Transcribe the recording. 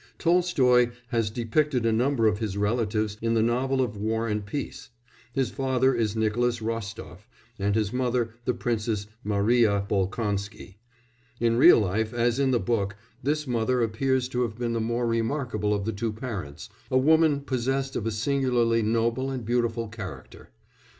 Tolstoy has depicted a number of his relatives in the novel of War and Peace; his father is Nicolas Rostof and his mother the Princess Mariya Bolkonsky; in real life as in the book, this mother appears to have been the more remarkable of the two parents, a woman possessed of a singularly noble and beautiful character.